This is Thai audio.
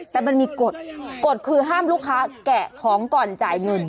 แต่มันมีกฎกฎคือห้ามลูกค้าแกะของก่อนจ่ายเงิน